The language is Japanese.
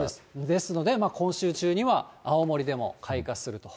ですので、今週中には青森でも開花すると。